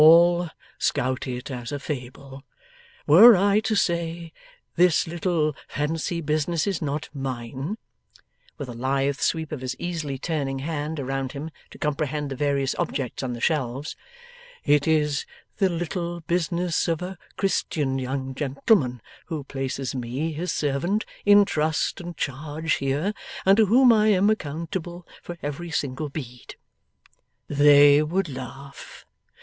'All scout it as a fable. Were I to say "This little fancy business is not mine";' with a lithe sweep of his easily turning hand around him, to comprehend the various objects on the shelves; '"it is the little business of a Christian young gentleman who places me, his servant, in trust and charge here, and to whom I am accountable for every single bead," they would laugh.